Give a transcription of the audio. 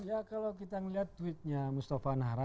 ya kalau kita melihat tweet nya mustafa nahra